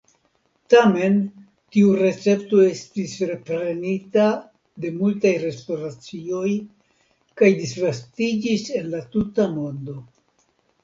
Tamen tiu recepto estis reprenita de multaj restoracioj kaj disvastiĝis en la tuta mondo.